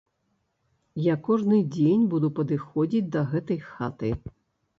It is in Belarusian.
Я кожны дзень буду падыходзіць да гэтай хаты.